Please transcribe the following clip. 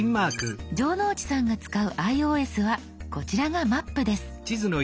城之内さんが使うｉＯＳはこちらが「マップ」です。